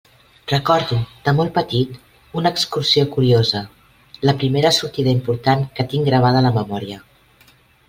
Recordo de molt petit una excursió curiosa, la primera sortida important que tinc gravada a la memòria.